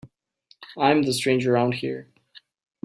I'm the stranger around here.